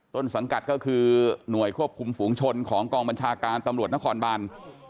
ต้นสังกัดก็คือหน่วยควบคุมฝูงชนของกองบัญชาการตำรวจนครบาน